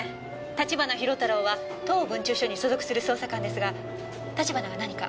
立花広太郎は当分駐所に所属する捜査官ですが立花が何か？